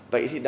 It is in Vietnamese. vậy thì đó